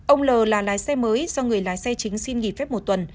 ông l là lái xe mới do người lái xe chính xin nghỉ phép một tuần